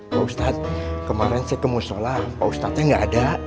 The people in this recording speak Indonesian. pak ustadz kemarin saya ke musola pak ustadznya gak ada